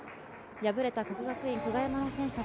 敗れた國學院久我山の選手たち。